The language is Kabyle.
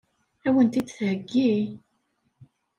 Ad wen-t-id-theggi?